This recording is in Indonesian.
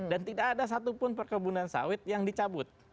dan tidak ada satupun perkebunan sawit yang dicabut